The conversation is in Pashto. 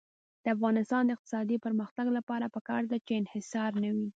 د افغانستان د اقتصادي پرمختګ لپاره پکار ده چې انحصار نه وي.